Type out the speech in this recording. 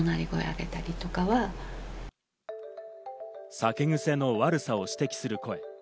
酒癖の悪さを指摘する声。